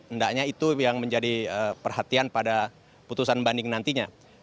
endaknya itu yang menjadi perhatian pada putusan banding nantinya